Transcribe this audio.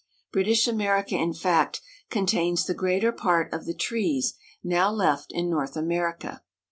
British America, in fact, con tains the greater part of the trees now left in North Amer ica.